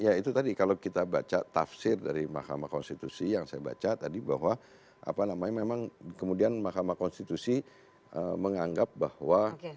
ya itu tadi kalau kita baca tafsir dari mahkamah konstitusi yang saya baca tadi bahwa apa namanya memang kemudian mahkamah konstitusi menganggap bahwa